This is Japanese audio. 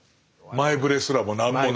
前触れすらもなく。